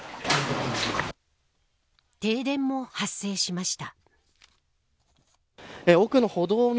停電も発生しました。